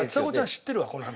知ってるわこの話。